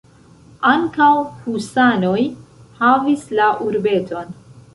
Ankaŭ husanoj havis la urbeton.